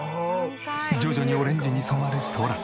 徐々にオレンジに染まる空。